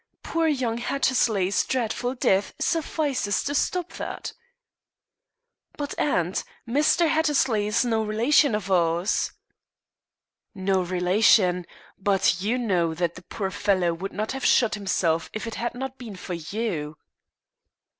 Poor young Hattersley's dreadful death suffices to stop that." "But, aunt, Mr. Hattersley is no relation of ours." "No relation but you know that the poor fellow would not have shot himself if it had not been for you."